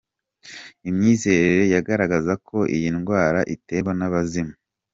Imyizerere yagaragza ko iyi ndwara iterwa n’abazimu.